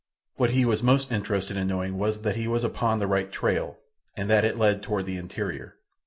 What he was most interested in knowing was that he was upon the right trail, and that it led toward the interior.